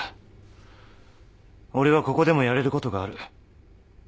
俺はここでもやれることがある。